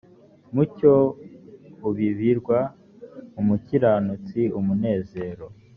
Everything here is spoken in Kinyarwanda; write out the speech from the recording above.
umucyo ubibirwa umukiranutsi umunezero